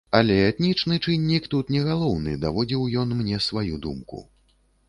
Але этнічны чыннік тут не галоўны, даводзіў ён мне сваю думку.